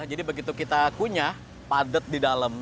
jadi begitu kita kunyah padat di dalam